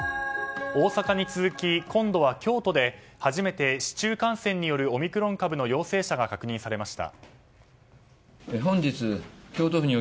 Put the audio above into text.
大阪に続き今度は京都で初めて市中感染によるオミクロン株の陽性者が確認されました。